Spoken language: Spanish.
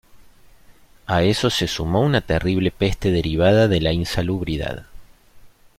A eso se sumó una terrible peste derivada de la insalubridad.